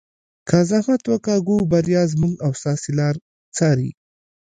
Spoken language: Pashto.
که زحمت وکاږو بریا زموږ او ستاسو لار څاري.